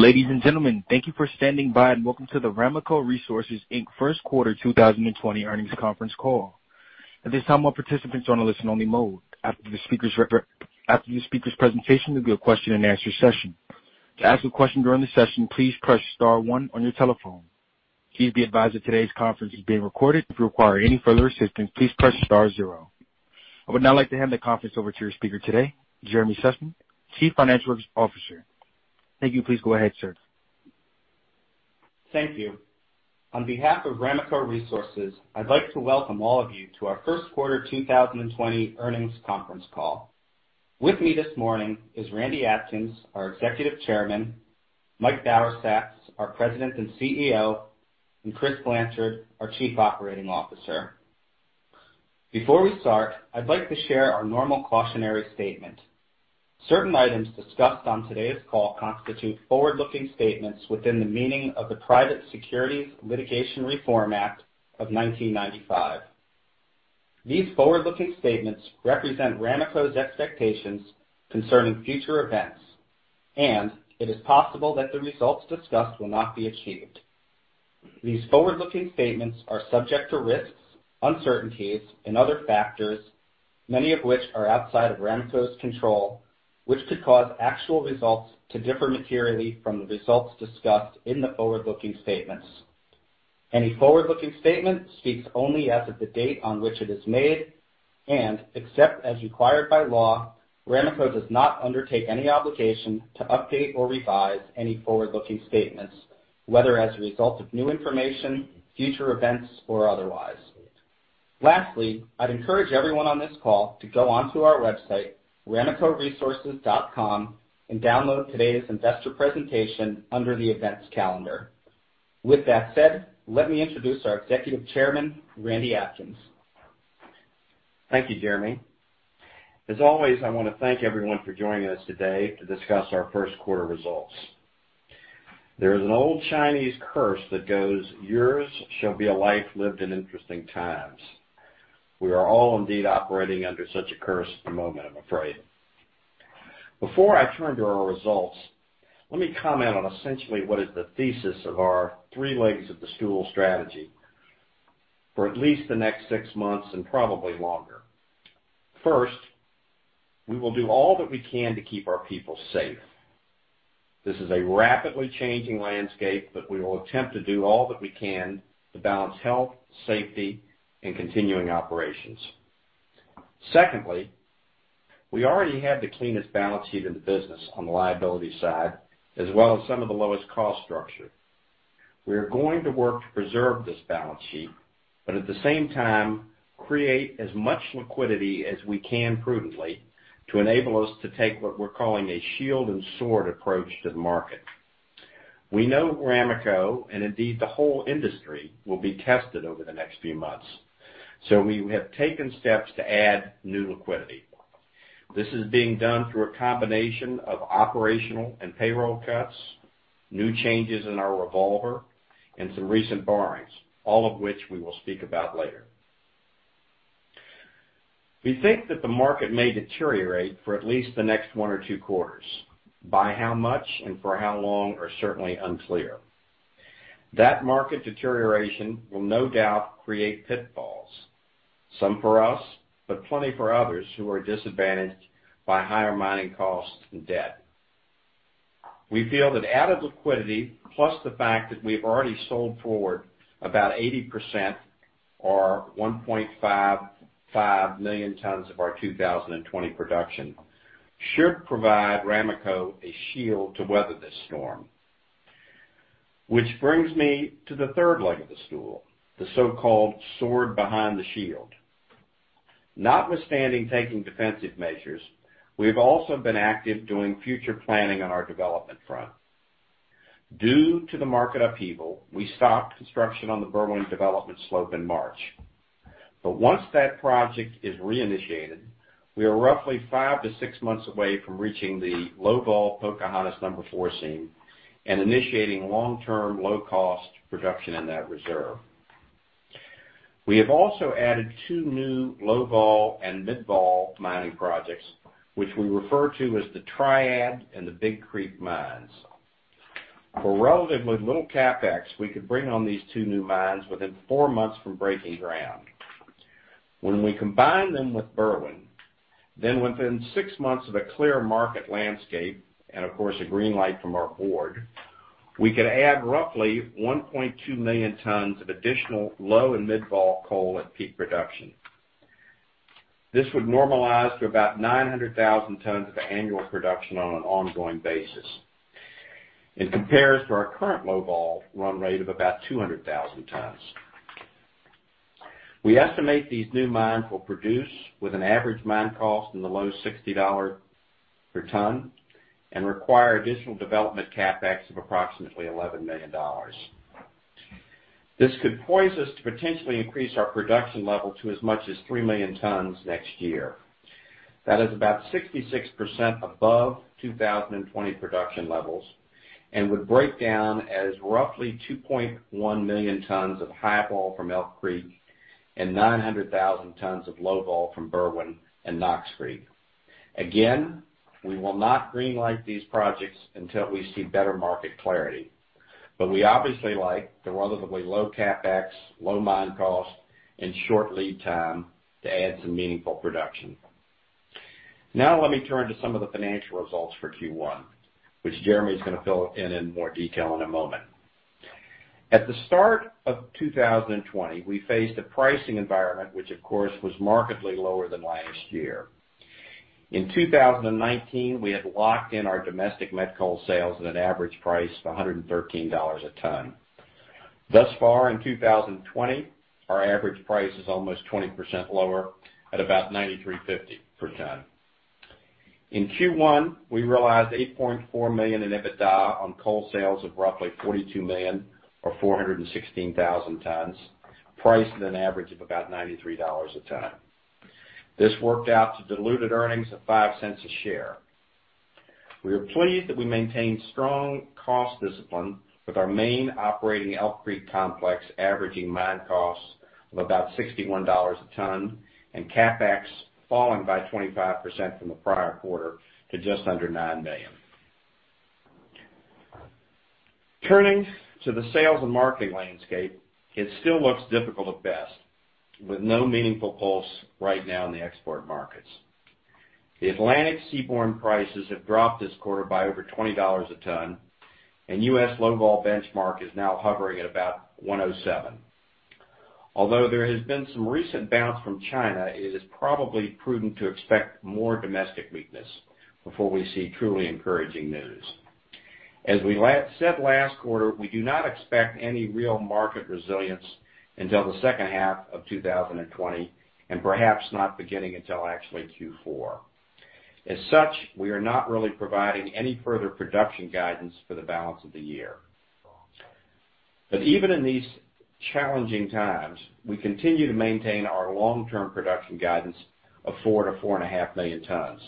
Ladies and gentlemen, thank you for standing by, and welcome to the Ramaco Resources, Inc first quarter 2020 earnings conference call. At this time, all participants are in a listen only mode. After the speakers' presentation, there will be a question and answer session. To ask a question during the session, please press star one on your telephone. Please be advised that today's conference is being recorded. If you require any further assistance, please press star zero. I would now like to hand the conference over to your speaker today, Jeremy Sussman, Chief Financial Officer. Thank you. Please go ahead, sir. Thank you. On behalf of Ramaco Resources, I'd like to welcome all of you to our first quarter 2020 earnings conference call. With me this morning is Randy Atkins, our Executive Chairman, Mike Bauersachs, our President and CEO, and Chris Blanchard, our Chief Operating Officer. Before we start, I'd like to share our normal cautionary statement. Certain items discussed on today's call constitute forward-looking statements within the meaning of the Private Securities Litigation Reform Act of 1995. These forward-looking statements represent Ramaco's expectations concerning future events, and it is possible that the results discussed will not be achieved. These forward-looking statements are subject to risks, uncertainties and other factors, many of which are outside of Ramaco's control, which could cause actual results to differ materially from the results discussed in the forward-looking statements. Any forward-looking statement speaks only as of the date on which it is made, and except as required by law, Ramaco does not undertake any obligation to update or revise any forward-looking statements, whether as a result of new information, future events, or otherwise. Lastly, I'd encourage everyone on this call to go onto our website, ramacoresources.com, and download today's investor presentation under the events calendar. With that said, let me introduce our Executive Chairman, Randy Atkins. Thank you, Jeremy. As always, I want to thank everyone for joining us today to discuss our first quarter results. There is an old Chinese curse that goes, "Yours shall be a life lived in interesting times." We are all indeed operating under such a curse at the moment, I'm afraid. Before I turn to our results, let me comment on essentially what is the thesis of our three legs of the stool strategy for at least the next six months and probably longer. First, we will do all that we can to keep our people safe. This is a rapidly changing landscape, but we will attempt to do all that we can to balance health, safety, and continuing operations. Secondly, we already had the cleanest balance sheet in the business on the liability side, as well as some of the lowest cost structure. We are going to work to preserve this balance sheet, but at the same time, create as much liquidity as we can prudently to enable us to take what we're calling a shield and sword approach to the market. We know Ramaco, and indeed, the whole industry, will be tested over the next few months, so we have taken steps to add new liquidity. This is being done through a combination of operational and payroll cuts, new changes in our revolver and some recent borrowings, all of which we will speak about later. We think that the market may deteriorate for at least the next one or two quarters. By how much and for how long are certainly unclear. That market deterioration will no doubt create pitfalls, some for us, but plenty for others who are disadvantaged by higher mining costs and debt. We feel that added liquidity, plus the fact that we have already sold forward about 80% or 1.55 million tons of our 2020 production, should provide Ramaco a shield to weather this storm. Which brings me to the third leg of the stool, the so-called sword behind the shield. Notwithstanding taking defensive measures, we've also been active doing future planning on our development front. Due to the market upheaval, we stopped construction on the Berwind development slope in March. Once that project is reinitiated, we are roughly five to six months away from reaching the low-vol Pocahontas #4 seam and initiating long-term, low-cost production in that reserve. We have also added two new low-vol and mid-vol mining projects, which we refer to as the Triad and the Big Creek Mines. For relatively little CapEx, we could bring on these two new mines within four months from breaking ground. When we combine them with Berwind, then within six months of a clear market landscape, and of course, a green light from our board, we could add roughly 1.2 million tons of additional low and mid-vol coal at peak production. This would normalize to about 900,000 tons of annual production on an ongoing basis. It compares to our current low-vol run rate of about 200,000 tons. We estimate these new mines will produce with an average mine cost in the low $60 per ton and require additional development CapEx of approximately $11 million. This could poise us to potentially increase our production level to as much as 3 million tons next year. That is about 66% above 2020 production levels and would break down as roughly 2.1 million tons of high-vol from Elk Creek and 900,000 tons of low-vol from Berwind and Knox Creek. Again, we will not green light these projects until we see better market clarity. We obviously like the relatively low CapEx, low mine cost, and short lead time to add some meaningful production. Now let me turn to some of the financial results for Q1, which Jeremy is going to fill in in more detail in a moment. At the start of 2020, we faced a pricing environment, which, of course, was markedly lower than last year. In 2019, we had locked in our domestic met coal sales at an average price of $113 a ton. Thus far in 2020, our average price is almost 20% lower at about $93.50 per ton. In Q1, we realized $8.4 million in EBITDA on coal sales of roughly $42 million or 416,000 tons, priced at an average of about $93 a ton. This worked out to diluted earnings of $0.05 a share. We are pleased that we maintained strong cost discipline with our main operating Elk Creek complex averaging mine costs of about $61 a ton, and CapEx falling by 25% from the prior quarter to just under $9 million. Turning to the sales and marketing landscape, it still looks difficult at best, with no meaningful pulse right now in the export markets. The Atlantic seaborne prices have dropped this quarter by over $20 a ton. U.S. low-vol benchmark is now hovering at about $107. There has been some recent bounce from China, it is probably prudent to expect more domestic weakness before we see truly encouraging news. As we said last quarter, we do not expect any real market resilience until the second half of 2020, perhaps not beginning until actually Q4. We are not really providing any further production guidance for the balance of the year. Even in these challenging times, we continue to maintain our long-term production guidance of 4 million tons-4.5 million tons.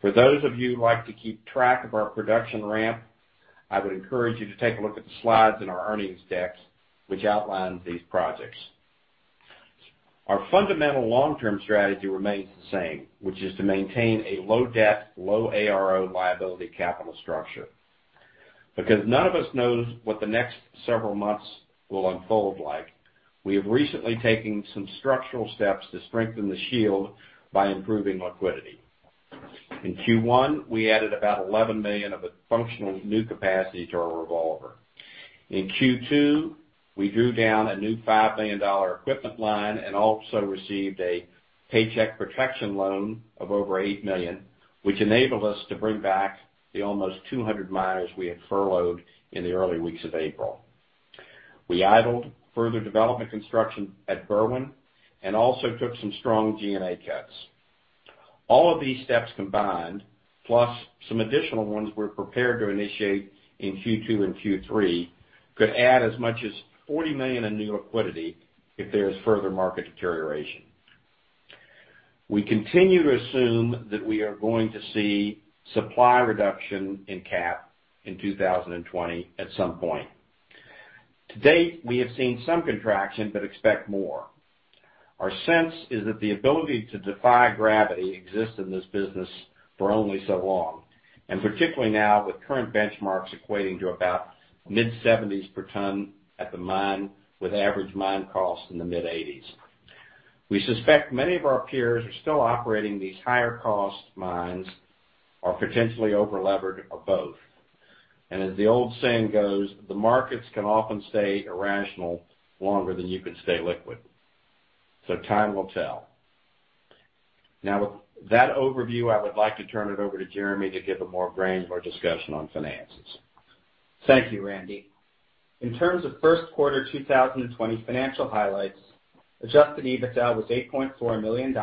For those of you who like to keep track of our production ramp, I would encourage you to take a look at the slides in our earnings decks, which outlines these projects. Our fundamental long-term strategy remains the same, which is to maintain a low debt, low ARO liability capital structure. None of us knows what the next several months will unfold like, we have recently taken some structural steps to strengthen the shield by improving liquidity. In Q1, we added about $11 million of functional new capacity to our revolver. In Q2, we drew down a new $5 million equipment line and also received a Paycheck Protection loan of over $8 million, which enabled us to bring back the almost 200 miners we had furloughed in the early weeks of April. We idled further development construction at Berwind and also took some strong G&A cuts. All of these steps combined, plus some additional ones we're prepared to initiate in Q2 and Q3, could add as much as $40 million in new liquidity if there is further market deterioration. We continue to assume that we are going to see supply reduction in CAPP in 2020 at some point. To date, we have seen some contraction, but expect more. Our sense is that the ability to defy gravity exists in this business for only so long, and particularly now with current benchmarks equating to about mid-$70s per ton at the mine, with average mine costs in the mid-$80s. We suspect many of our peers who are still operating these higher cost mines are potentially over-levered or both, and as the old saying goes, " The markets can often stay irrational longer than you can stay liquid." Time will tell. Now, with that overview, I would like to turn it over to Jeremy to give a more granular discussion on finances. Thank you, Randy. In terms of first quarter 2020 financial highlights, adjusted EBITDA was $8.4 million,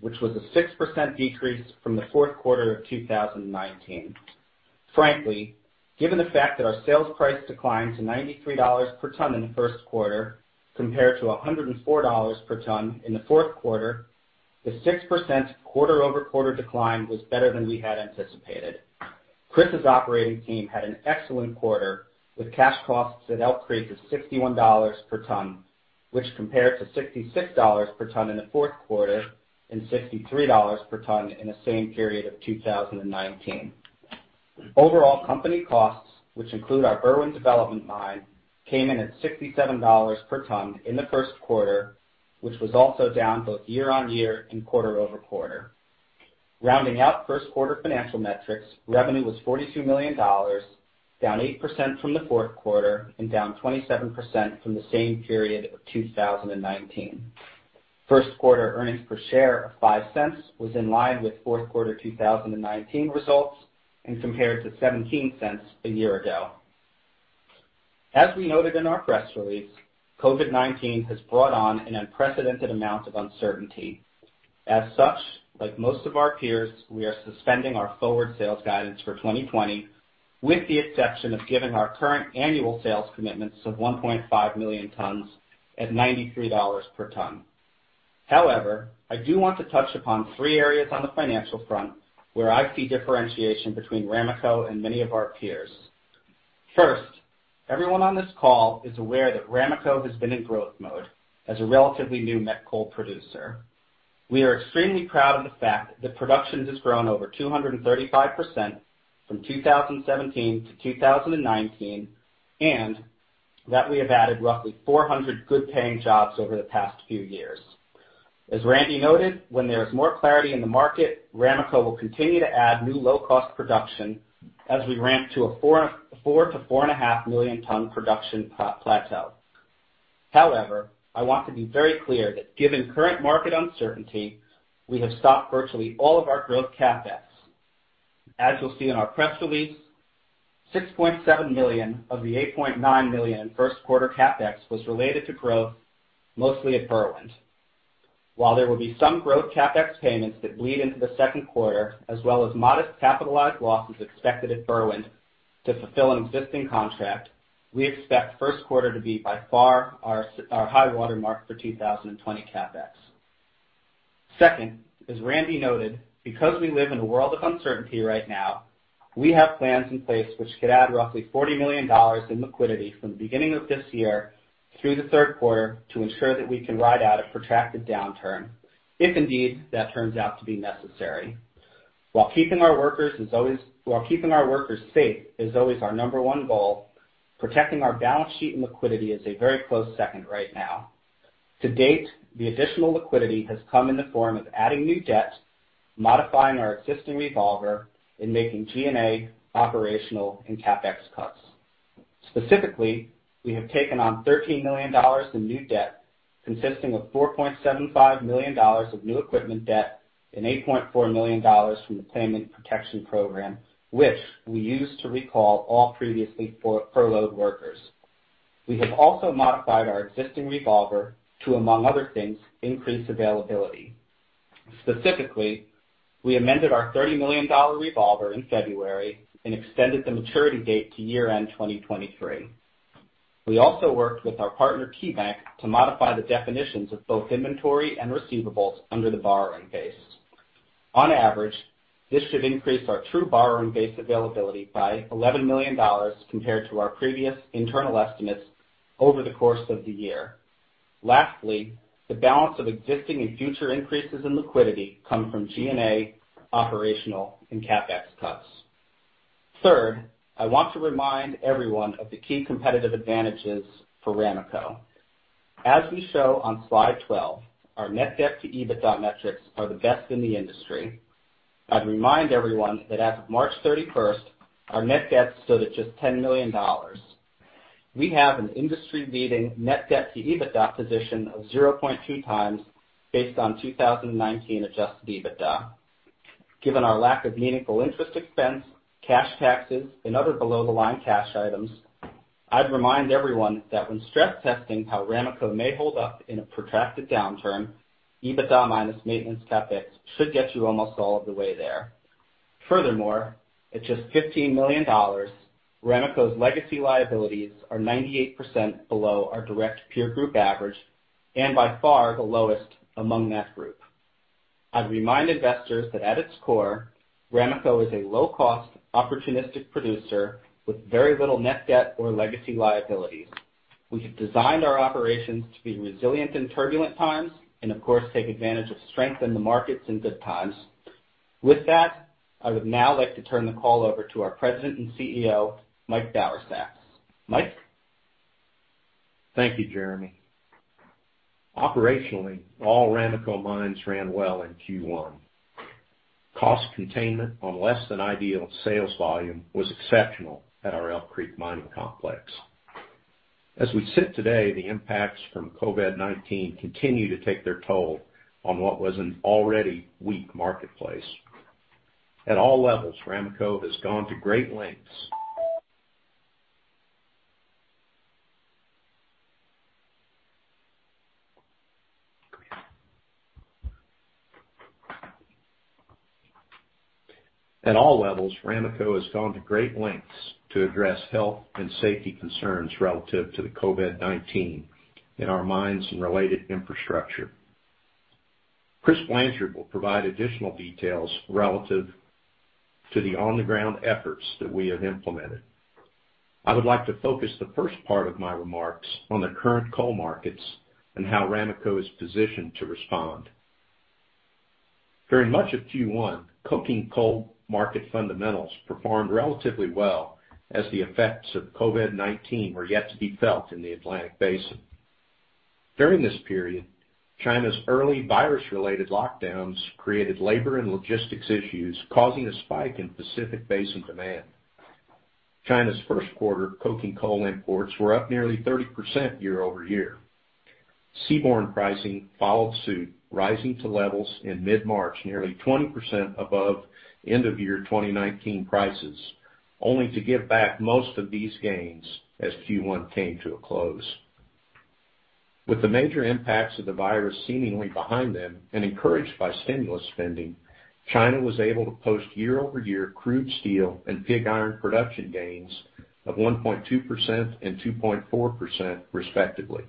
which was a 6% decrease from the fourth quarter of 2019. Frankly, given the fact that our sales price declined to $93 per ton in the first quarter compared to $104 per ton in the fourth quarter, the 6% quarter-over-quarter decline was better than we had anticipated. Chris's operating team had an excellent quarter with cash costs at Elk Creek of $61 per ton, which compared to $66 per ton in the fourth quarter and $63 per ton in the same period of 2019. Overall company costs, which include our Berwind development mine, came in at $67 per ton in the first quarter, which was also down both year-on-year and quarter-over-quarter. Rounding out first quarter financial metrics, revenue was $42 million, down 8% from the fourth quarter and down 27% from the same period of 2019. First quarter earnings per share of $0.05 was in line with fourth quarter 2019 results and compared to $0.17 a year ago. As we noted in our press release, COVID-19 has brought on an unprecedented amount of uncertainty. As such, like most of our peers, we are suspending our forward sales guidance for 2020 with the exception of giving our current annual sales commitments of 1.5 million tons at $93 per ton. However, I do want to touch upon three areas on the financial front where I see differentiation between Ramaco and many of our peers. First, everyone on this call is aware that Ramaco has been in growth mode as a relatively new met coal producer. We are extremely proud of the fact that production has grown over 235% from 2017 to 2019, and that we have added roughly 400 good paying jobs over the past few years. As Randy noted, when there is more clarity in the market, Ramaco will continue to add new low-cost production as we ramp to a 4 million ton-4.5 million ton production plateau. However, I want to be very clear that given current market uncertainty, we have stopped virtually all of our growth CapEx. As you'll see in our press release, $6.7 million of the $8.9 million first quarter CapEx was related to growth, mostly at Berwind. While there will be some growth CapEx payments that bleed into the second quarter, as well as modest capitalized losses expected at Berwind to fulfill an existing contract, we expect first quarter to be, by far, our high water mark for 2020 CapEx. Second, as Randy noted, because we live in a world of uncertainty right now, we have plans in place which could add roughly $40 million in liquidity from the beginning of this year through the third quarter to ensure that we can ride out a protracted downturn, if indeed that turns out to be necessary. While keeping our workers safe is always our number one goal, protecting our balance sheet and liquidity is a very close second right now. To date, the additional liquidity has come in the form of adding new debt, modifying our existing revolver, and making G&A operational and CapEx cuts. Specifically, we have taken on $13 million in new debt, consisting of $4.75 million of new equipment debt and $8.4 million from the Payment Protection Program, which we used to recall all previously furloughed workers. We have also modified our existing revolver to, among other things, increase availability. Specifically, we amended our $30 million revolver in February and extended the maturity date to year-end 2023. We also worked with our partner, KeyBank, to modify the definitions of both inventory and receivables under the borrowing base. On average, this should increase our true borrowing base availability by $11 million compared to our previous internal estimates over the course of the year. Lastly, the balance of existing and future increases in liquidity come from G&A, operational, and CapEx cuts. Third, I want to remind everyone of the key competitive advantages for Ramaco. As we show on slide 12, our net debt to EBITDA metrics are the best in the industry. I'd remind everyone that as of March 31st, our net debt stood at just $10 million. We have an industry-leading net debt to EBITDA position of 0.2x based on 2019 adjusted EBITDA. Given our lack of meaningful interest expense, cash taxes, and other below the line cash items, I'd remind everyone that when stress testing how Ramaco may hold up in a protracted downturn, EBITDA minus maintenance CapEx should get you almost all of the way there. Furthermore, at just $15 million, Ramaco's legacy liabilities are 98% below our direct peer group average, and by far the lowest among that group. I'd remind investors that at its core, Ramaco is a low-cost, opportunistic producer with very little net debt or legacy liabilities. We have designed our operations to be resilient in turbulent times and, of course, take advantage of strength in the markets in good times. With that, I would now like to turn the call over to our President and CEO, Mike Bauersachs. Mike? Thank you, Jeremy. Operationally, all Ramaco mines ran well in Q1. Cost containment on less than ideal sales volume was exceptional at our Elk Creek mining complex. As we sit today, the impacts from COVID-19 continue to take their toll on what was an already weak marketplace. At all levels, Ramaco has gone to great lengths to address health and safety concerns relative to the COVID-19 in our mines and related infrastructure. Chris Blanchard will provide additional details relative to the on-the-ground efforts that we have implemented. I would like to focus the first part of my remarks on the current coal markets and how Ramaco is positioned to respond. During much of Q1, coking coal market fundamentals performed relatively well as the effects of COVID-19 were yet to be felt in the Atlantic Basin. During this period, China's early virus-related lockdowns created labor and logistics issues, causing a spike in Pacific Basin demand. China's first quarter coking coal imports were up nearly 30% year-over-year. seaborne pricing followed suit, rising to levels in mid-March, nearly 20% above end of year 2019 prices, only to give back most of these gains as Q1 came to a close. With the major impacts of the virus seemingly behind them, and encouraged by stimulus spending, China was able to post year-over-year crude steel and pig iron production gains of 1.2% and 2.4% respectively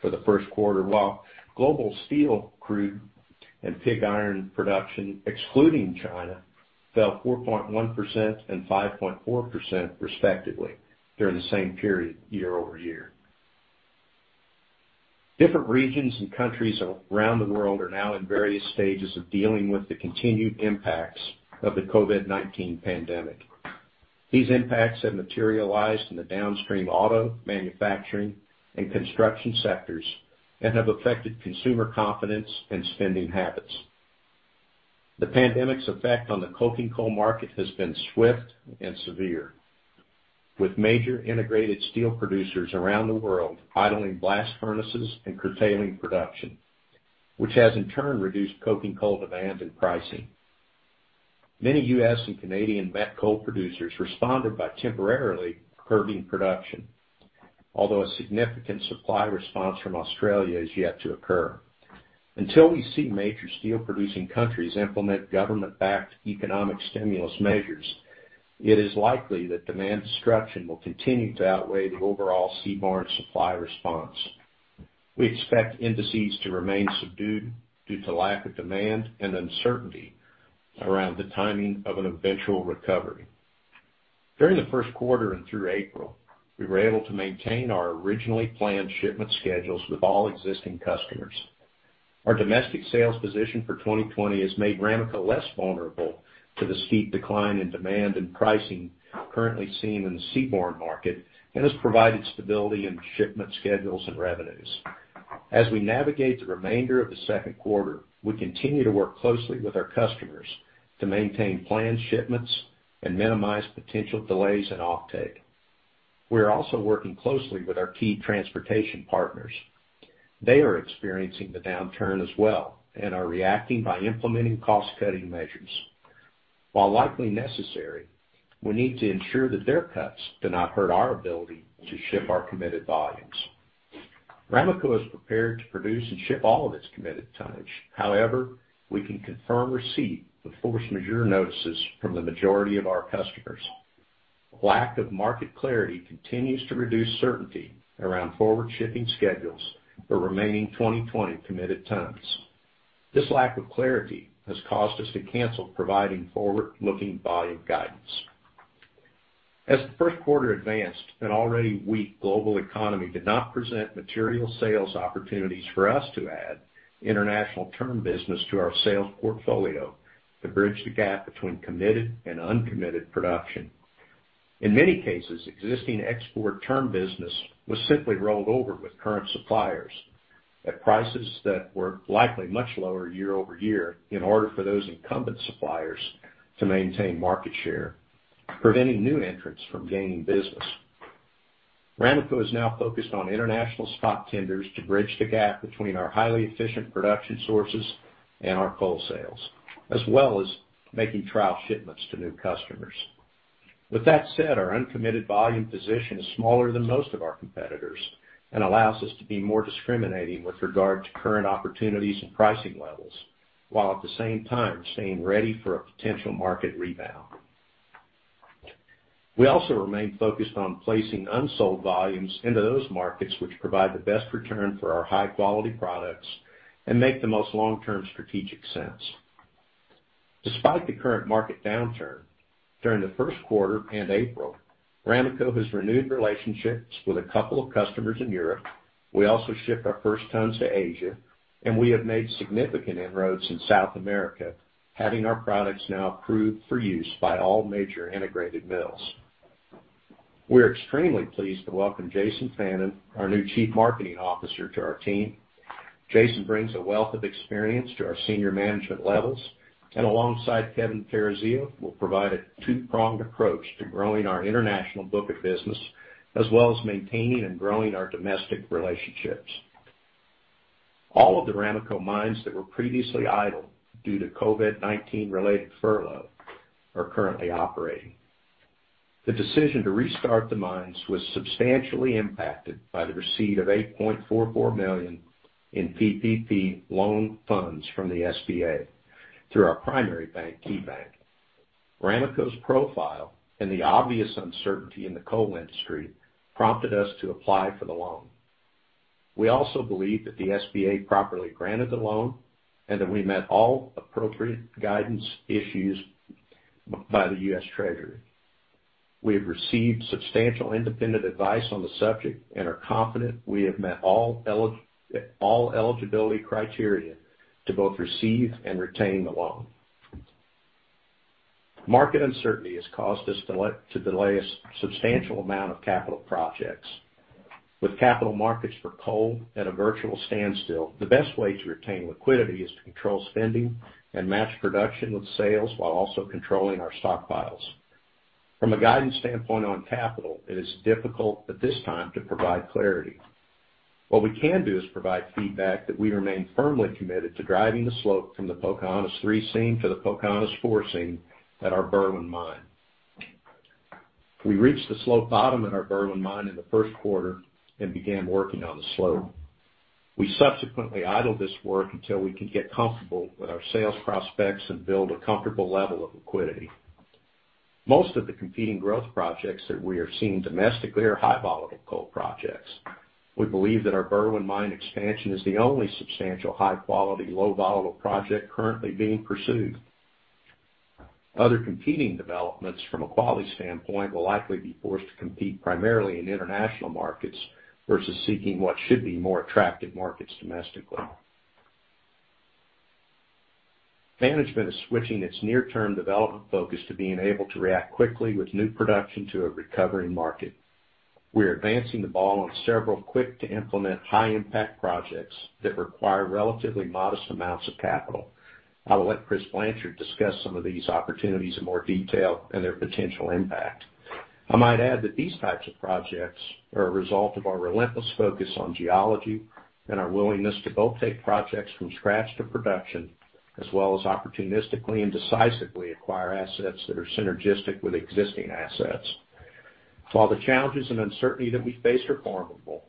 for the first quarter. Global steel crude and pig iron production, excluding China, fell 4.1% and 5.4% respectively, during the same period year-over-year. Different regions and countries around the world are now in various stages of dealing with the continued impacts of the COVID-19 pandemic. These impacts have materialized in the downstream auto, manufacturing, and construction sectors and have affected consumer confidence and spending habits. The pandemic's effect on the coking coal market has been swift and severe. With major integrated steel producers around the world idling blast furnaces and curtailing production, which has in turn reduced coking coal demand and pricing. Many U.S. and Canadian met coal producers responded by temporarily curbing production, although a significant supply response from Australia is yet to occur. Until we see major steel-producing countries implement government-backed economic stimulus measures, it is likely that demand destruction will continue to outweigh the overall seaborne supply response. We expect indices to remain subdued due to lack of demand and uncertainty around the timing of an eventual recovery. During the first quarter and through April, we were able to maintain our originally planned shipment schedules with all existing customers. Our domestic sales position for 2020 has made Ramaco less vulnerable to the steep decline in demand and pricing currently seen in the seaborne market and has provided stability in shipment schedules and revenues. As we navigate the remainder of the second quarter, we continue to work closely with our customers to maintain planned shipments and minimize potential delays in offtake. We are also working closely with our key transportation partners. They are experiencing the downturn as well and are reacting by implementing cost-cutting measures. While likely necessary, we need to ensure that their cuts do not hurt our ability to ship our committed volumes. Ramaco is prepared to produce and ship all of its committed tonnage. However, we can confirm receipt of force majeure notices from the majority of our customers. Lack of market clarity continues to reduce certainty around forward shipping schedules for remaining 2020 committed tons. This lack of clarity has caused us to cancel providing forward-looking volume guidance. As the first quarter advanced, an already weak global economy did not present material sales opportunities for us to add international term business to our sales portfolio to bridge the gap between committed and uncommitted production. In many cases, existing export term business was simply rolled over with current suppliers at prices that were likely much lower year-over-year in order for those incumbent suppliers to maintain market share, preventing new entrants from gaining business. Ramaco is now focused on international spot tenders to bridge the gap between our highly efficient production sources and our coal sales, as well as making trial shipments to new customers. With that said, our uncommitted volume position is smaller than most of our competitors and allows us to be more discriminating with regard to current opportunities and pricing levels, while at the same time staying ready for a potential market rebound. We also remain focused on placing unsold volumes into those markets which provide the best return for our high-quality products and make the most long-term strategic sense. Despite the current market downturn, during the first quarter and April, Ramaco has renewed relationships with a couple of customers in Europe. We also shipped our first tons to Asia, and we have made significant inroads in South America, having our products now approved for use by all major integrated mills. We are extremely pleased to welcome Jason Fannin, our new Chief Marketing Officer, to our team. Jason brings a wealth of experience to our senior management levels, and alongside Kevin Karazsia, will provide a two-pronged approach to growing our international book of business, as well as maintaining and growing our domestic relationships. All of the Ramaco mines that were previously idle due to COVID-19 related furlough are currently operating. The decision to restart the mines was substantially impacted by the receipt of $8.44 million in PPP loan funds from the SBA through our primary bank, KeyBank. Ramaco's profile and the obvious uncertainty in the coal industry prompted us to apply for the loan. We also believe that the SBA properly granted the loan and that we met all appropriate guidance issues by the U.S. Treasury. We have received substantial independent advice on the subject and are confident we have met all eligibility criteria to both receive and retain the loan. Market uncertainty has caused us to delay a substantial amount of capital projects. With capital markets for coal at a virtual standstill, the best way to retain liquidity is to control spending and match production with sales while also controlling our stockpiles. From a guidance standpoint on capital, it is difficult at this time to provide clarity. What we can do is provide feedback that we remain firmly committed to driving the slope from the Pocahontas 3 seam to the Pocahontas 4 seam at our Berwind mine. We reached the slope bottom at our Berwind mine in the first quarter and began working on the slope. We subsequently idled this work until we can get comfortable with our sales prospects and build a comfortable level of liquidity. Most of the competing growth projects that we are seeing domestically are high-volatile coal projects. We believe that our Berwind mine expansion is the only substantial high-quality, low-volatile project currently being pursued. Other competing developments from a quality standpoint will likely be forced to compete primarily in international markets versus seeking what should be more attractive markets domestically. Management is switching its near-term development focus to being able to react quickly with new production to a recovering market. We are advancing the ball on several quick-to-implement, high-impact projects that require relatively modest amounts of capital. I will let Chris Blanchard discuss some of these opportunities in more detail and their potential impact. I might add that these types of projects are a result of our relentless focus on geology and our willingness to both take projects from scratch to production, as well as opportunistically and decisively acquire assets that are synergistic with existing assets. While the challenges and uncertainty that we face are formidable,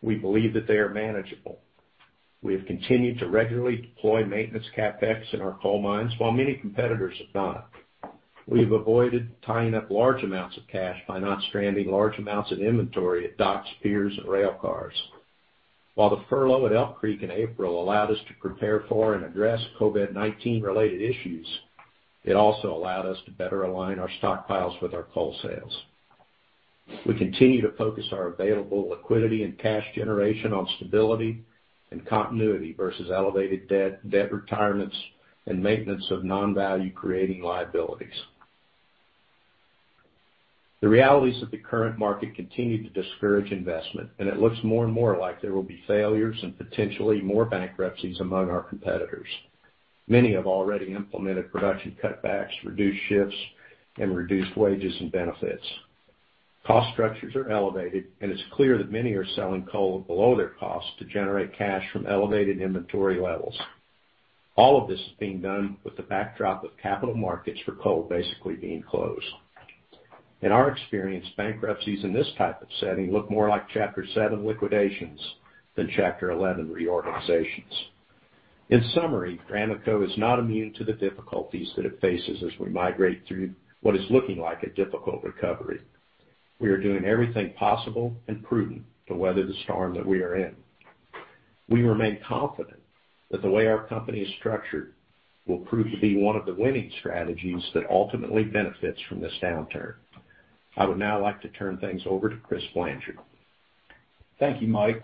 we believe that they are manageable. We have continued to regularly deploy maintenance CapEx in our coal mines while many competitors have not. We have avoided tying up large amounts of cash by not stranding large amounts of inventory at docks, piers, and rail cars. While the furlough at Elk Creek in April allowed us to prepare for and address COVID-19 related issues, it also allowed us to better align our stockpiles with our coal sales. We continue to focus our available liquidity and cash generation on stability and continuity versus elevated debt retirements, and maintenance of non-value-creating liabilities. The realities of the current market continue to discourage investment, and it looks more and more like there will be failures and potentially more bankruptcies among our competitors. Many have already implemented production cutbacks, reduced shifts, and reduced wages and benefits. Cost structures are elevated, and it's clear that many are selling coal below their cost to generate cash from elevated inventory levels. All of this is being done with the backdrop of capital markets for coal basically being closed. In our experience, bankruptcies in this type of setting look more like Chapter 7 liquidations than Chapter 11 reorganizations. In summary, Ramaco is not immune to the difficulties that it faces as we migrate through what is looking like a difficult recovery. We are doing everything possible and prudent to weather the storm that we are in. We remain confident that the way our company is structured will prove to be one of the winning strategies that ultimately benefits from this downturn. I would now like to turn things over to Chris Blanchard. Thank you, Mike.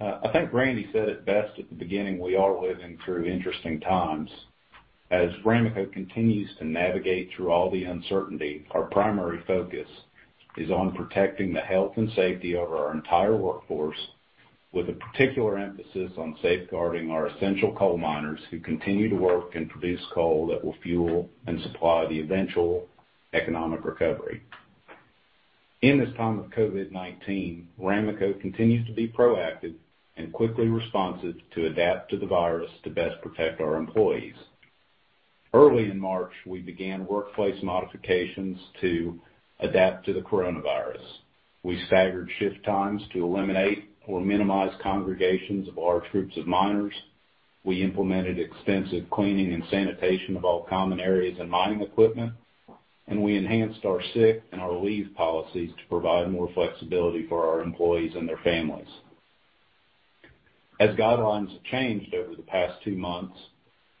I think Randy said it best at the beginning, we are living through interesting times. As Ramaco continues to navigate through all the uncertainty, our primary focus is on protecting the health and safety of our entire workforce, with a particular emphasis on safeguarding our essential coal miners who continue to work and produce coal that will fuel and supply the eventual economic recovery. In this time of COVID-19, Ramaco continues to be proactive and quickly responsive to adapt to the virus to best protect our employees. Early in March, we began workplace modifications to adapt to the coronavirus. We staggered shift times to eliminate or minimize congregations of large groups of miners. We implemented extensive cleaning and sanitation of all common areas and mining equipment. We enhanced our sick and our leave policies to provide more flexibility for our employees and their families. As guidelines have changed over the past two months,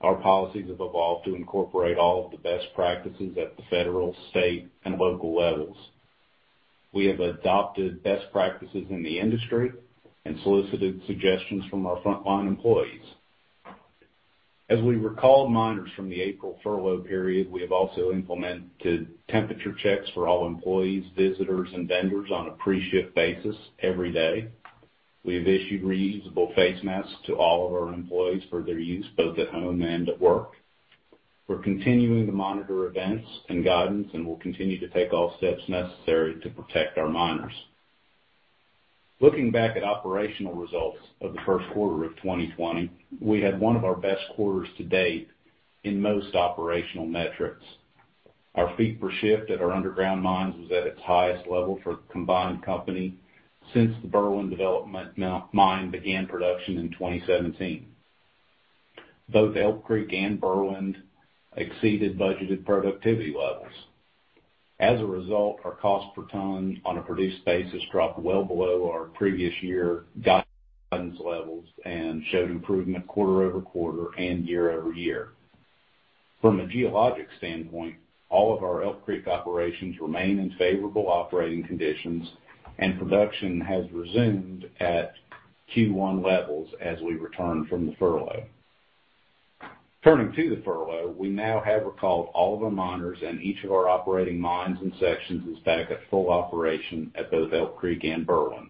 our policies have evolved to incorporate all of the best practices at the federal, state, and local levels. We have adopted best practices in the industry and solicited suggestions from our frontline employees. As we recall miners from the April furlough period, we have also implemented temperature checks for all employees, visitors, and vendors on a pre-shift basis every day. We have issued reusable face masks to all of our employees for their use both at home and at work. We're continuing to monitor events and guidance, and we'll continue to take all steps necessary to protect our miners. Looking back at operational results of the first quarter of 2020, we had one of our best quarters to date in most operational metrics. Our feet per shift at our underground mines was at its highest level for the combined company since the Berwind development mine began production in 2017. Both Elk Creek and Berwind exceeded budgeted productivity levels. As a result, our cost per ton on a produced basis dropped well below our previous year guidance levels and showed improvement quarter-over-quarter and year-over-year. From a geologic standpoint, all of our Elk Creek operations remain in favorable operating conditions, and production has resumed at Q1 levels as we return from the furlough. Turning to the furlough, we now have recalled all of our miners, and each of our operating mines and sections is back at full operation at both Elk Creek and Berwind.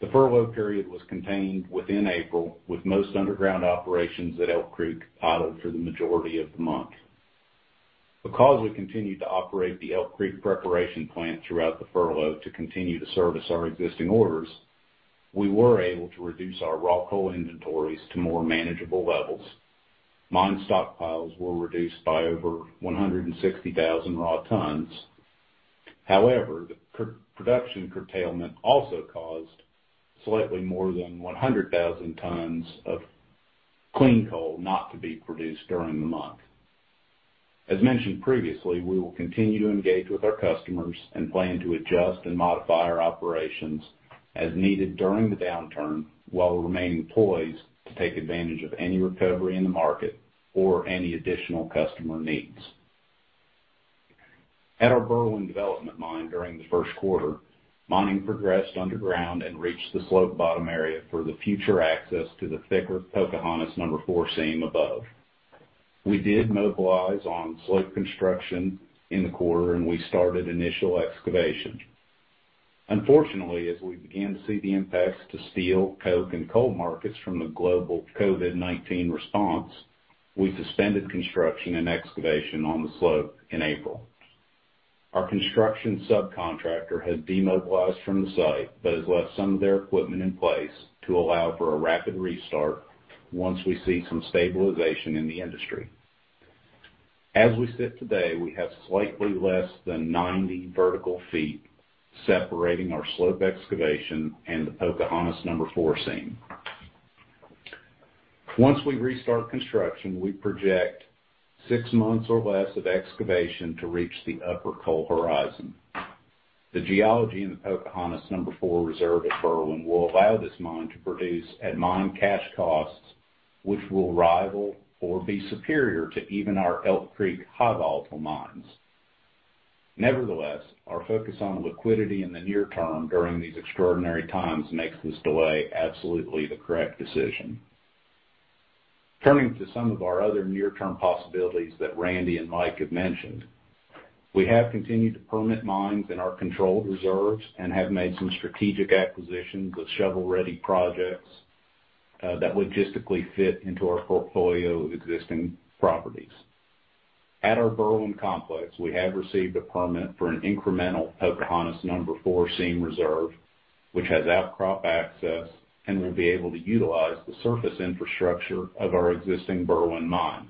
The furlough period was contained within April, with most underground operations at Elk Creek idled for the majority of the month. Because we continued to operate the Elk Creek preparation plant throughout the furlough to continue to service our existing orders, we were able to reduce our raw coal inventories to more manageable levels. Mine stockpiles were reduced by over 160,000 raw tons. However, the production curtailment also caused slightly more than 100,000 tons of clean coal not to be produced during the month. As mentioned previously, we will continue to engage with our customers and plan to adjust and modify our operations as needed during the downturn, while remaining poised to take advantage of any recovery in the market or any additional customer needs. At our Berwind development mine during the first quarter, mining progressed underground and reached the slope bottom area for the future access to the thicker Pocahontas #4 seam above. We did mobilize on slope construction in the quarter, and we started initial excavation. Unfortunately, as we began to see the impacts to steel, coke, and coal markets from the global COVID-19 response, we suspended construction and excavation on the slope in April. Our construction subcontractor has demobilized from the site but has left some of their equipment in place to allow for a rapid restart once we see some stabilization in the industry. As we sit today, we have slightly less than 90 vertical feet separating our slope excavation and the Pocahontas #4 seam. Once we restart construction, we project six months or less of excavation to reach the upper coal horizon. The geology in the Pocahontas #4 reserve at Berwind will allow this mine to produce at mine cash costs, which will rival or be superior to even our Elk Creek high-volatile mines. Nevertheless, our focus on liquidity in the near term during these extraordinary times makes this delay absolutely the correct decision. Turning to some of our other near-term possibilities that Randy and Mike have mentioned. We have continued to permit mines in our controlled reserves and have made some strategic acquisitions with shovel-ready projects that logistically fit into our portfolio of existing properties. At our Berwind complex, we have received a permit for an incremental Pocahontas #4 seam reserve, which has outcrop access and will be able to utilize the surface infrastructure of our existing Berwind mine.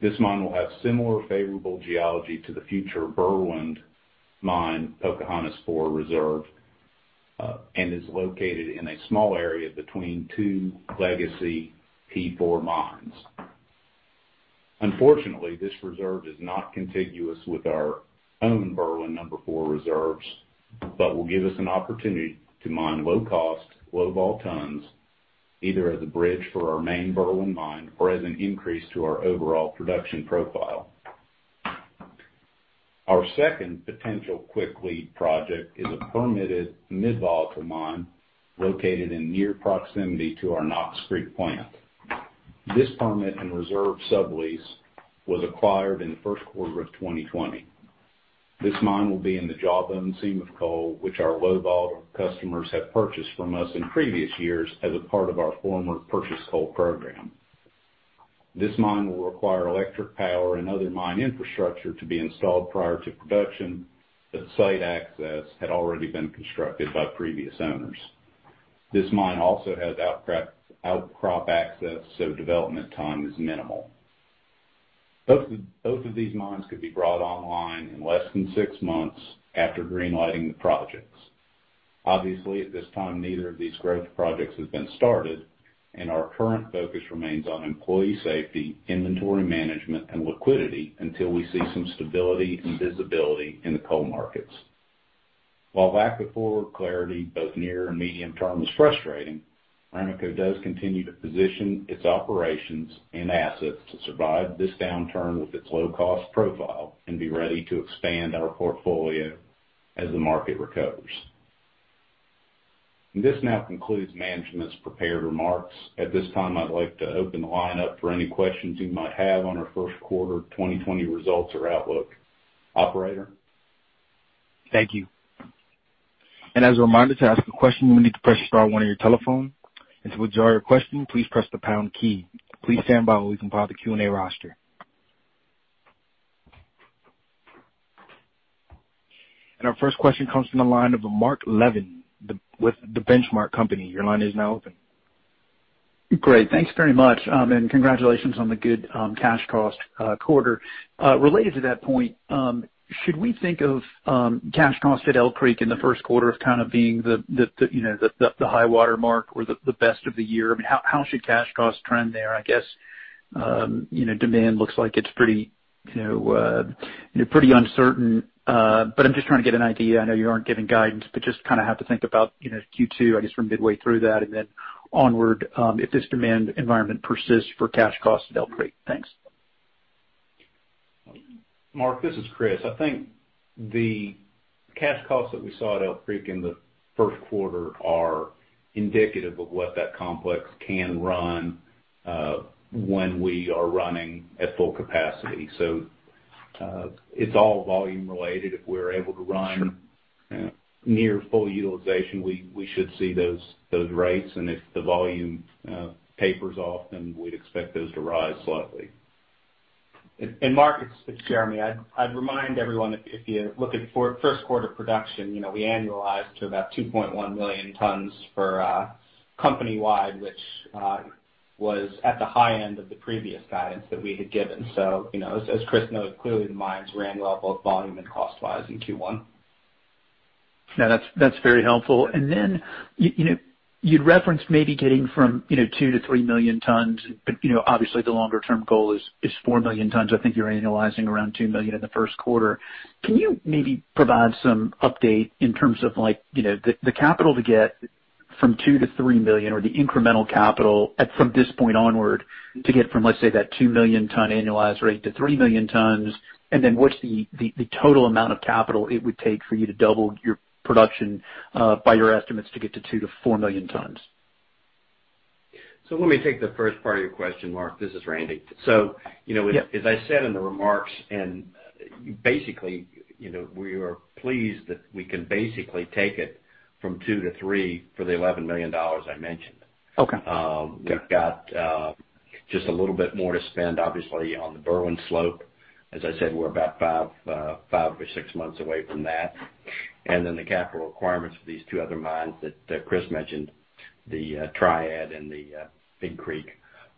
This mine will have similar favorable geology to the future Berwind mine Pocahontas 4 reserve, and is located in a small area between two legacy P4 mines. Unfortunately, this reserve is not contiguous with our own Berwind #4 reserves, but will give us an opportunity to mine low cost, low-vol tons, either as a bridge for our main Berwind mine or as an increase to our overall production profile. Our second potential quick lead project is a permitted mid-volatile mine located in near proximity to our Knox Creek plant. This permit and reserve sublease was acquired in the first quarter of 2020. This mine will be in the Jawbone seam of coal, which our low-volatile customers have purchased from us in previous years as a part of our former purchase coal program. This mine will require electric power and other mine infrastructure to be installed prior to production, but the site access had already been constructed by previous owners. This mine also has outcrop access, so development time is minimal. Both of these mines could be brought online in less than six months after green lighting the projects. Obviously, at this time, neither of these growth projects has been started, and our current focus remains on employee safety, inventory management, and liquidity until we see some stability and visibility in the coal markets. While lack of forward clarity, both near and medium term, is frustrating, Ramaco does continue to position its operations and assets to survive this downturn with its low-cost profile and be ready to expand our portfolio as the market recovers. This now concludes management's prepared remarks. At this time, I'd like to open the line up for any questions you might have on our first quarter 2020 results or outlook. Operator? Thank you. As a reminder, to ask a question, you will need to press star one on your telephone, and to withdraw your question, please press the pound key. Please stand by while we compile the Q&A roster. Our first question comes from the line of Mark Levin with The Benchmark Company. Your line is now open. Great. Thanks very much. Congratulations on the good cash cost quarter. Related to that point, should we think of cash cost at Elk Creek in the first quarter as being the high-water mark or the best of the year? How should cash costs trend there? I guess demand looks like it's pretty uncertain. I'm just trying to get an idea. I know you aren't giving guidance, but just have to think about Q2, I guess we're midway through that, and then onward, if this demand environment persists for cash costs at Elk Creek. Thanks. Mark, this is Chris. I think the cash costs that we saw at Elk Creek in the first quarter are indicative of what that complex can run when we are running at full capacity. It's all volume related. Sure If we are able to run near full utilization, we should see those rates. If the volume tapers off, then we'd expect those to rise slightly. Mark, it's Jeremy. I'd remind everyone if you're looking for first quarter production, we annualized to about 2.1 million tons for company-wide, which was at the high end of the previous guidance that we had given. As Chris noted, clearly the mines ran well both volume and cost-wise in Q1. No, that's very helpful. Then you'd referenced maybe getting from 2 million tons to 3 million tons, obviously the longer-term goal is 4 million tons. I think you're annualizing around 2 million tons in the first quarter. Can you maybe provide some update in terms of the capital to get from 2 million tons to 3 million tons or the incremental capital from this point onward to get from, let's say, that 2 million ton annualized rate to 3 million tons, what's the total amount of capital it would take for you to double your production, by your estimates, to get to 2 million tons to 4 million tons? Let me take the first part of your question, Mark. This is Randy. Yep As I said in the remarks, and basically, we are pleased that we can basically take it from 2 million tons to 3 million tons for the $11 million I mentioned. Okay. We've got just a little bit more to spend, obviously, on the Berwind slope. As I said, we're about five or six months away from that. The capital requirements for these two other mines that Chris mentioned, the Triad and the Big Creek,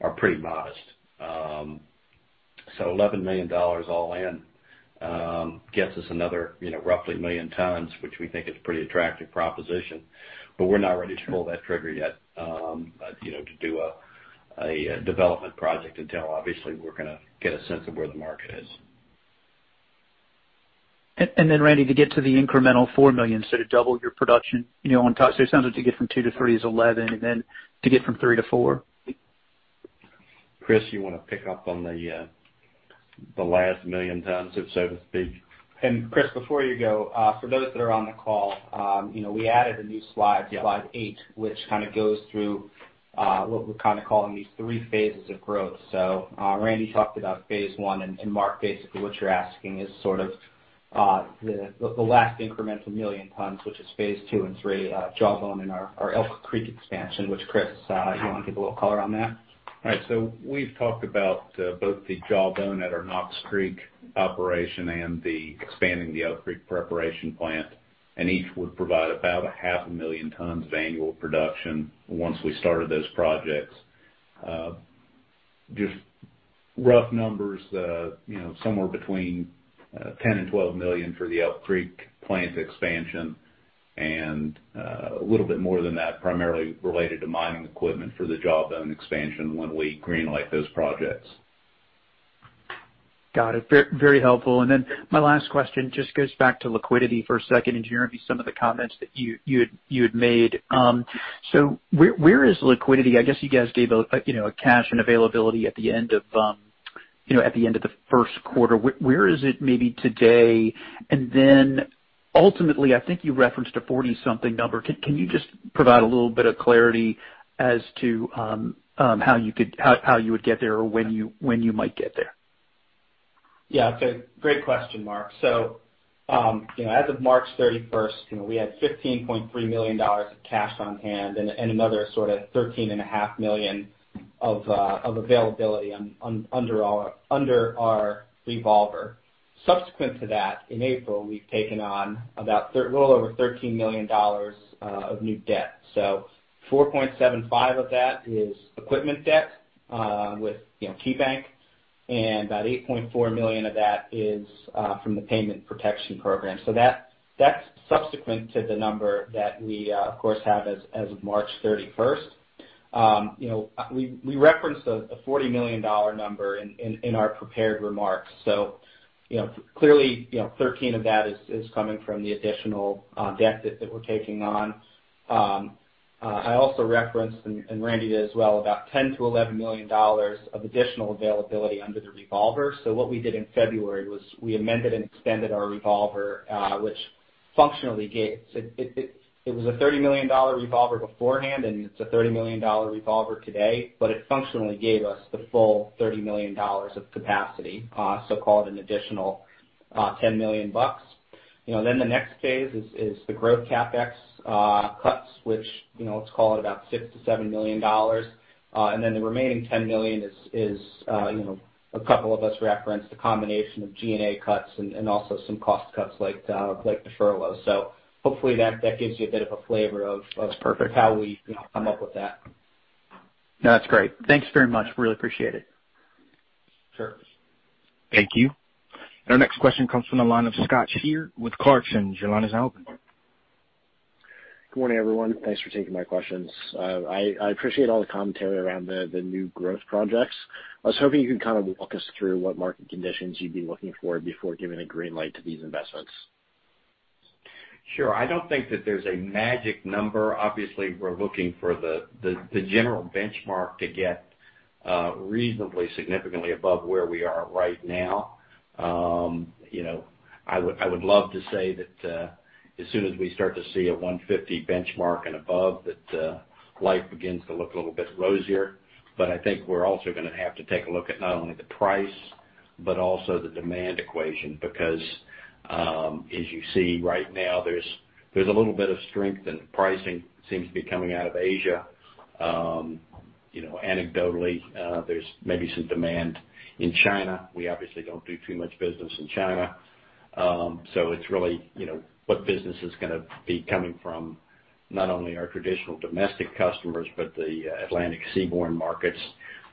are pretty modest. $11 million all in gets us another roughly a million tons, which we think is a pretty attractive proposition, we're not ready to pull that trigger yet to do a development project until obviously we're going to get a sense of where the market is. Randy, to get to the incremental 4 million ons, so to double your production on top. It sounds like to get from 2 million tons to 3 million tons is $11 million, and then to get from 3 million tons to 4 million tons? Chris, you want to pick up on the last million tons, so to speak? Chris, before you go, for those that are on the call, we added a new slide. Yep. Slide eight, which kind of goes through what we're kind of calling these three phases of growth. Randy talked about Phase 1, and Mark, basically what you're asking is sort of the last incremental million tons, which is Phase 2 and Phase 3 Jawbone and our Elk Creek expansion, which Chris, if you want to give a little color on that? All right. We've talked about both the Jawbone at our Knox Creek operation and the expanding the Elk Creek preparation plant, and each would provide about 500,000 tons of annual production once we started those projects. Just rough numbers, somewhere between $10 million and $12 million for the Elk Creek plant expansion and a little bit more than that, primarily related to mining equipment for the Jawbone expansion when we green light those projects. Got it. Very helpful. My last question just goes back to liquidity for a second, and Jeremy, some of the comments that you had made. Where is liquidity? I guess you guys gave a cash and availability at the end of the first quarter. Where is it maybe today? Ultimately, I think you referenced a 40-something number. Can you just provide a little bit of clarity as to how you would get there or when you might get there? Yeah. Okay. Great question, Mark. As of March 31st, we had $15.3 million of cash on hand and another sort of $13.5 million of availability under our revolver. Subsequent to that, in April, we've taken on a little over $13 million of new debt. $4.75 million of that is equipment debt with KeyBank, and about $8.4 million of that is from the Payment Protection Program. That's subsequent to the number that we, of course, have as of March 31st. We referenced a $40 million number in our prepared remarks, clearly, $13 of that is coming from the additional debt that we're taking on. I also referenced, and Randy did as well, about $10 million-$11 million of additional availability under the revolver. What we did in February was we amended and extended our revolver, which so it was a $30 million revolver beforehand, and it's a $30 million revolver today, but it functionally gave us the full $30 million of capacity, so call it an additional $10 million. The next phase is the growth CapEx cuts, which let's call it about $6 million-$7 million. The remaining $10 million is, a couple of us referenced the combination of G&A cuts and also some cost cuts like the furloughs. Hopefully that gives you a bit of a flavor of. That's perfect. How we come up with that. No, that's great. Thanks very much. Really appreciate it. Sure. Thank you. Our next question comes from the line of Scott Schier with Clarksons. Your line is open. Good morning, everyone. Thanks for taking my questions. I appreciate all the commentary around the new growth projects. I was hoping you could kind of walk us through what market conditions you'd be looking for before giving a green light to these investments. Sure. I don't think that there's a magic number. Obviously, we're looking for the general benchmark to get reasonably significantly above where we are right now. I would love to say that as soon as we start to see a $150 benchmark and above, that life begins to look a little bit rosier. I think we're also going to have to take a look at not only the price, but also the demand equation, because as you see right now, there's a little bit of strength in pricing seems to be coming out of Asia. Anecdotally, there's maybe some demand in China. We obviously don't do too much business in China. It's really what business is going to be coming from not only our traditional domestic customers, but the Atlantic seaborne markets,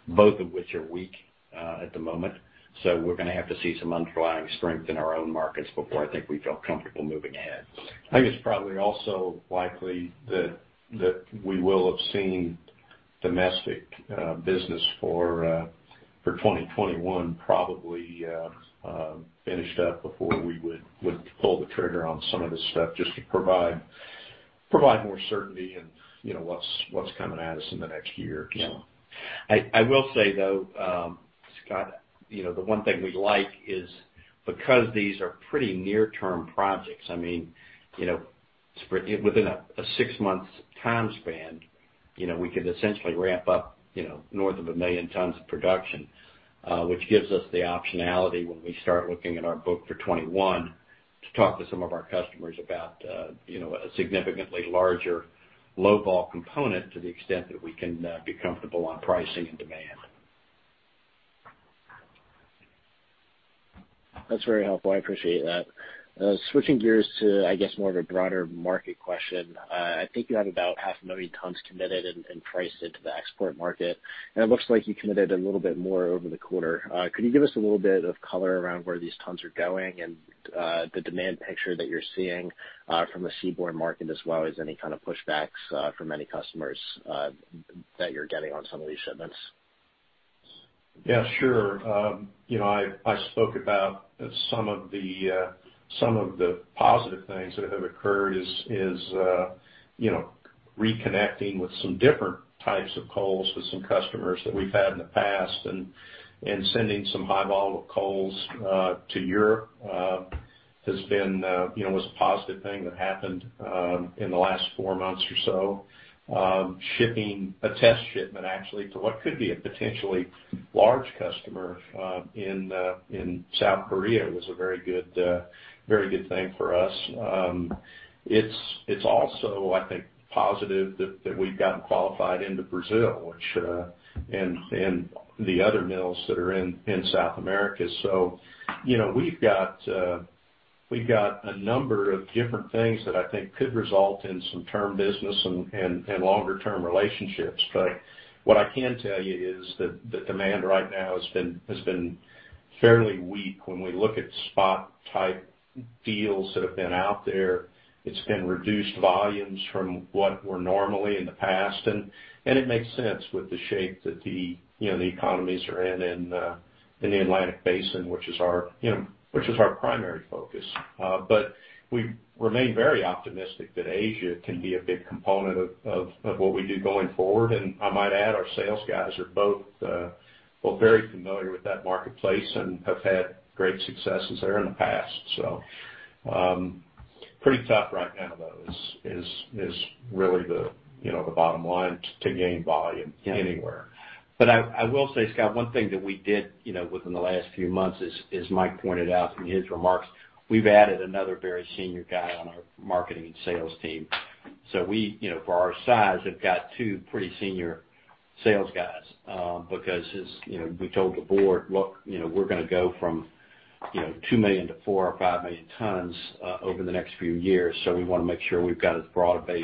both of which are weak at the moment. We're going to have to see some underlying strength in our own markets before I think we feel comfortable moving ahead. I think it's probably also likely that we will have seen. Domestic business for 2021 probably finished up before we would pull the trigger on some of this stuff just to provide more certainty and what's coming at us in the next year or so. Yeah. I will say, though, Scott, the one thing we like is because these are pretty near-term projects. Within a six months time span, we could essentially ramp up north of a million tons of production, which gives us the optionality when we start looking at our book for 2021 to talk to some of our customers about a significantly larger low-vol component to the extent that we can be comfortable on pricing and demand. That's very helpful. I appreciate that. Switching gears to, I guess, more of a broader market question. I think you have about 500,000 tons committed and priced into the export market, and it looks like you committed a little bit more over the quarter. Could you give us a little bit of color around where these tons are going and the demand picture that you're seeing from a seaborne market, as well as any kind of pushbacks from any customers that you're getting on some of these shipments? Yeah, sure. I spoke about some of the positive things that have occurred is reconnecting with some different types of coals with some customers that we've had in the past and sending some high-vol coals to Europe was a positive thing that happened in the last four months or so. Shipping a test shipment actually to what could be a potentially large customer in South Korea was a very good thing for us. It's also, I think, positive that we've gotten qualified into Brazil and the other mills that are in South America. We've got a number of different things that I think could result in some term business and longer-term relationships. What I can tell you is that the demand right now has been fairly weak. When we look at spot type deals that have been out there, it's been reduced volumes from what were normally in the past. It makes sense with the shape that the economies are in in the Atlantic Basin, which is our primary focus. We remain very optimistic that Asia can be a big component of what we do going forward. I might add, our sales guys are both very familiar with that marketplace and have had great successes there in the past. Pretty tough right now, though, is really the bottom line to gain volume anywhere. I will say, Scott, one thing that we did within the last few months is, as Mike pointed out in his remarks, we've added another very senior guy on our marketing and sales team. We, for our size, have got two pretty senior sales guys. As we told the board, look, we're going to go from 2 million tons to 4 million tons or 5 million tons over the next few years, so we want to make sure we've got as broad a base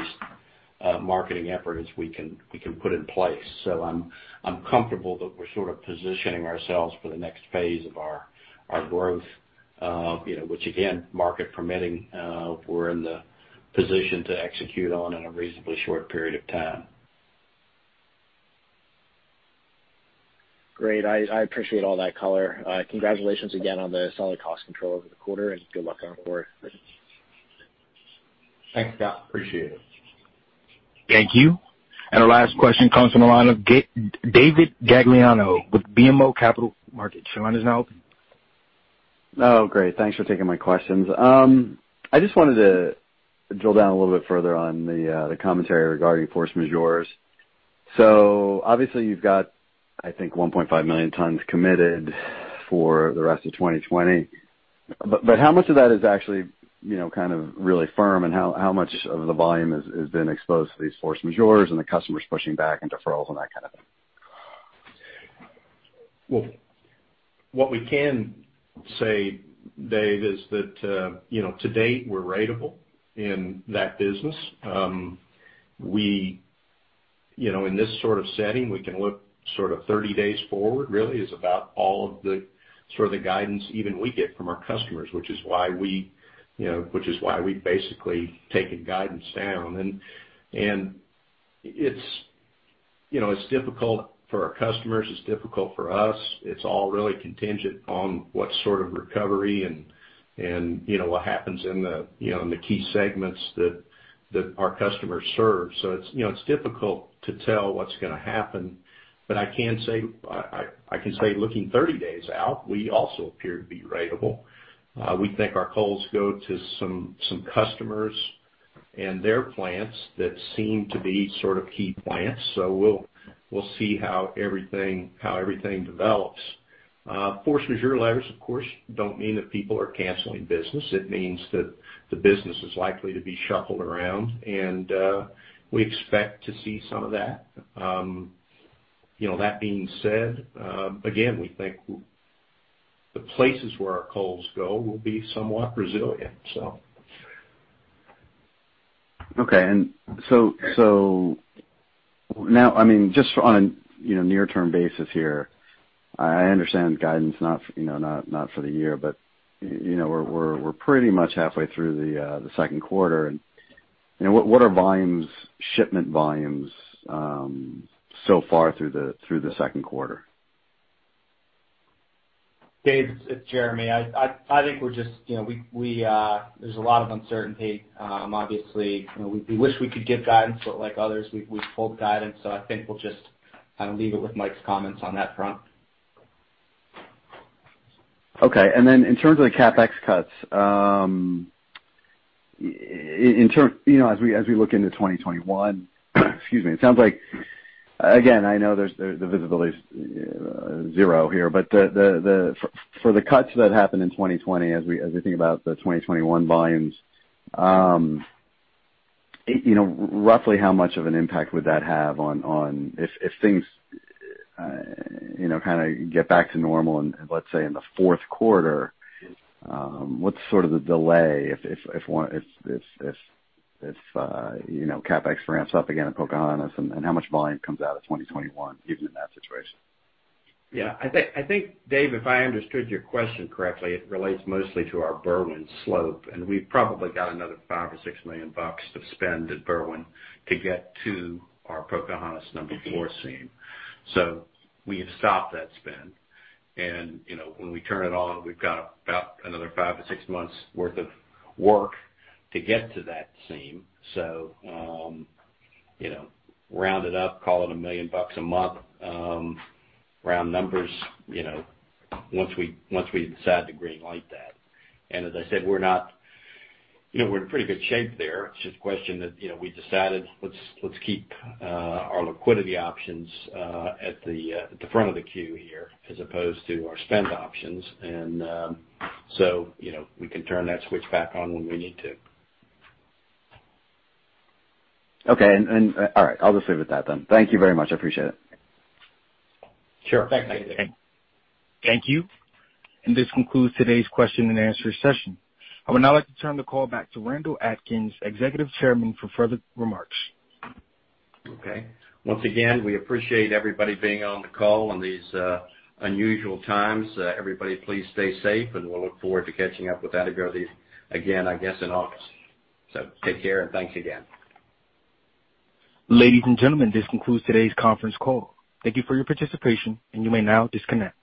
marketing effort as we can put in place. I'm comfortable that we're sort of positioning ourselves for the next phase of our growth, which again, market permitting, we're in the position to execute on in a reasonably short period of time. Great. I appreciate all that color. Congratulations again on the solid cost control over the quarter. Good luck going forward. Thanks, Scott. Appreciate it. Thank you. Our last question comes from the line of David Gagliano with BMO Capital Markets. Your line is now open. Oh, great. Thanks for taking my questions. I just wanted to drill down a little bit further on the commentary regarding force majeures. Obviously you've got, I think, 1.5 million tons committed for the rest of 2020. How much of that is actually kind of really firm, and how much of the volume has been exposed to these force majeures and the customers pushing back and deferrals and that kind of thing? Well, what we can say, Dave, is that to date we're ratable in that business. In this sort of setting, we can look sort of 30 days forward really is about all of the sort of the guidance even we get from our customers, which is why we've basically taken guidance down. It's difficult for our customers. It's difficult for us. It's all really contingent on what sort of recovery and what happens in the key segments that our customers serve. It's difficult to tell what's going to happen. I can say, looking 30 days out, we also appear to be ratable. We think our coals go to some customers and their plants that seem to be sort of key plants. We'll see how everything develops. force majeure letters, of course, don't mean that people are canceling business. It means that the business is likely to be shuffled around, and we expect to see some of that. That being said, again, we think the places where our coals go will be somewhat resilient. Okay. Now, just on a near-term basis here. I understand guidance not for the year, but we're pretty much halfway through the second quarter. What are shipment volumes so far through the second quarter? Dave, it's Jeremy. I think there's a lot of uncertainty. Obviously, we wish we could give guidance. Like others, we've pulled guidance. I think we'll just leave it with Mike's comments on that front. Okay. In terms of the CapEx cuts, as we look into 2021, excuse me, it sounds like, again, I know the visibility is zero here, but for the cuts that happened in 2020, as we think about the 2021 volumes, roughly how much of an impact would that have if things get back to normal in, let's say, the fourth quarter? What's sort of the delay if CapEx ramps up again at Pocahontas? How much volume comes out of 2021, given that situation? Yeah. I think, Dave, if I understood your question correctly, it relates mostly to our Berwind slope, and we've probably got another $5 million or $6 million to spend at Berwind to get to our Pocahontas #4 seam. We have stopped that spend. When we turn it on, we've got about another five to six months worth of work to get to that seam. Round it up, call it $1 million a month, round numbers, once we decide to green-light that. As I said, we're in pretty good shape there. It's just a question that we decided, let's keep our liquidity options at the front of the queue here as opposed to our spend options. We can turn that switch back on when we need to. Okay. All right. I'll just leave it at that then. Thank you very much. I appreciate it. Sure. Thank you, Dave. Thank you. This concludes today's question and answer session. I would now like to turn the call back to Randall Atkins, Executive Chairman, for further remarks. Okay. Once again, we appreciate everybody being on the call in these unusual times. Everybody please stay safe, and we'll look forward to catching up with everybody again, I guess, in August. Take care, and thanks again. Ladies and gentlemen, this concludes today's conference call. Thank you for your participation, and you may now disconnect.